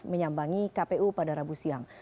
menyambangi kpu pada rabu siang